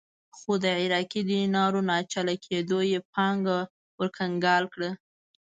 خو د عراقي دینارونو ناچله کېدو یې پانګه ورکنګال کړه.